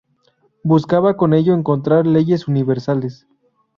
Buscaba con ello encontrar leyes universales.